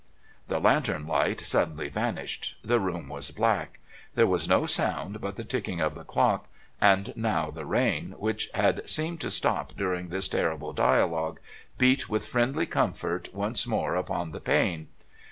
The lantern light suddenly vanished. The room was black. There was no sound but the ticking of the clock, and now the rain, which had seemed to stop during this terrible dialogue, beat with friendly comfort once more upon the pane.